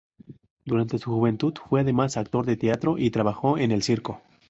Durante su juventud fue además actor de teatro y trabajó en el circo.